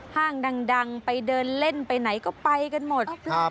ห้างดังไปเดินเล่นไปไหนก็ไปกันหมด